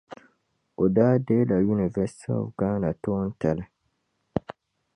O daa deei la University of Ghana toon tali.